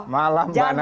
malam mbak nana